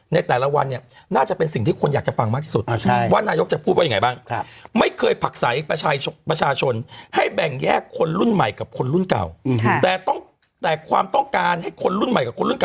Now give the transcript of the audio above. ในแต่ละวันน่าจะเป็นสิ่งที่ควรอยากจะฟังมากที่สุด